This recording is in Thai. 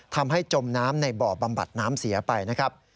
จมน้ำในบ่อบำบัดน้ำเสียไปนะครับ